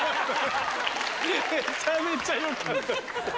めちゃめちゃ良かったです。